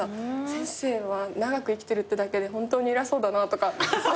先生は長く生きてるってだけでホントに偉そうだなとか。